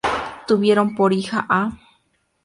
Tuvieron por hija a